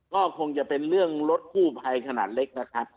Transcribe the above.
ก็คงจะเป็นเรื่องรถกู้ภัยขนาดเล็กนะครับ